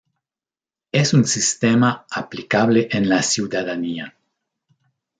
Es un sistema aplicable en la ciudadanía.